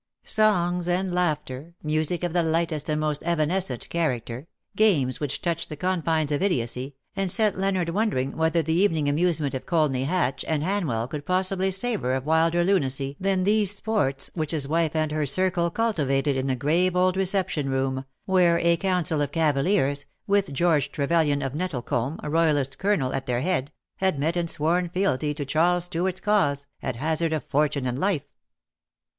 Songs and laughter, music of the lightest and most evanescent character, games which touched the confines of idiocy, and set Leonard wondering whether the evening amuse ments of Colney Hatch and Hanwell could possibly savour of wilder lunacy than these sports which his wife and her circle cultivated in the grave old reception room, wheie a council of Cavaliers, with George Trevelyan of Nettlecombe, Royalist Colonel, at their head, had met and sworn fealty to Charles Stuart^s cause, at hazard of fortune and life.